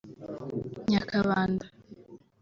Nyakabanda